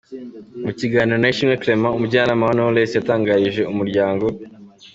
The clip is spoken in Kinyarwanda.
Mu kiganiro na Ishimwe Clement; umujyanama wa Knowless, yatangarije Umuryango.